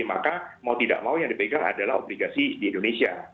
maka mau tidak mau yang dipegang adalah obligasi di indonesia